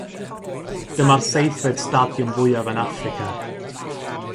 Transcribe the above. Dyma'r seithfed stadiwm fwyaf yn Affrica.